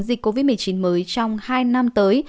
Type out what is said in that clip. dịch covid một mươi chín mới trong hai năm tới